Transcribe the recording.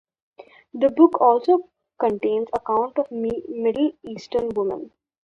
The book also contains accounts of middle eastern women.